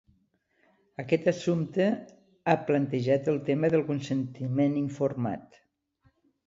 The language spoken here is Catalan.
Aquest assumpte ha plantejat el tema del consentiment informat.